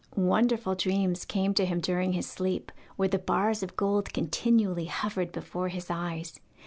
Wonderful dreams came to him during his sleep, where the bars of gold continually hovered before his eyes.